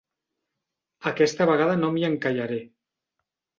Aquesta vegada no m'hi encallaré.